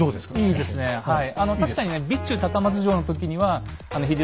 いいですねはい。